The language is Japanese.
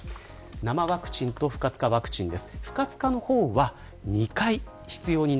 生ワクチンと不活化ワクチンです。